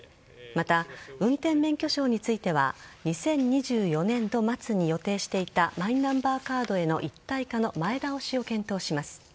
また、運転免許証については２０２４年度末に予定していたマイナンバーカードへの一体化の前倒しを検討します。